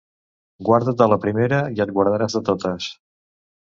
Guarda't de la primera i et guardaràs de totes.